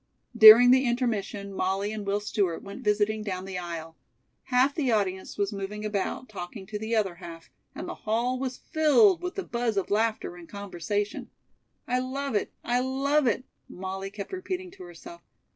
During the intermission, Molly and Will Stewart went visiting down the aisle. Half the audience was moving about, talking to the other half, and the hall was filled with the buzz of laughter and conversation. "I love it! I love it!" Molly kept repeating to herself.